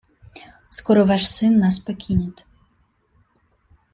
Скоро ваш сын нас покинет.